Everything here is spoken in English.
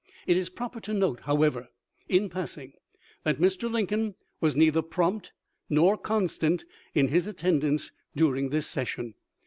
It is proper to note, however, in passing, that Mr. Lincoln was neither prompt nor constant in his attendance during the session.